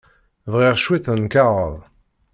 Bɣiɣ cwiṭ n lkaɣeḍ.